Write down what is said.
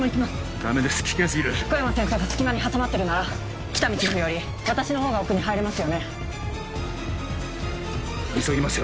ダメです危険すぎる小山先生が隙間に挟まってるなら喜多見チーフより私の方が奥に入れますよね急ぎますよ